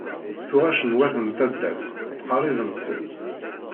Tuɣac n wat n taddart tqerribent-d.